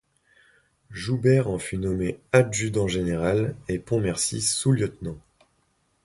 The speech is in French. Joubert en fut nommé adjudant général et Pontmercy sous-lieutenant.